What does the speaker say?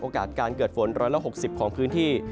โอกาสการเกิดฝนร้อนละ๖๐ของพื้นที่